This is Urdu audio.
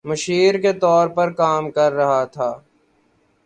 مشیر کے طور پر کام کر رہا تھا